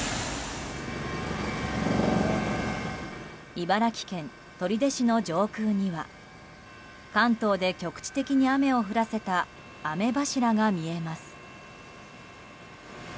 茨城県取手市の上空には関東で局地的に雨を降らせた雨柱が見えます。